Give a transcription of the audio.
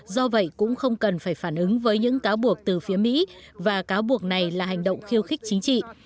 do vậy cũng không cần phải phản ứng với những cáo buộc từ phía mỹ và cáo buộc này là hành động khiêu khích chính trị